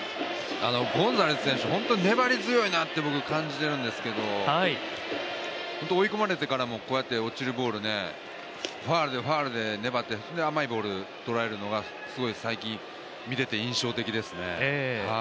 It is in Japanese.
ゴンザレス選手、粘り強いなって僕、感じているんですけど追い込まれてからも落ちるボール、ファウルでファウルで粘って、それで甘いボール捉えるのが、最近見てて印象的ですね。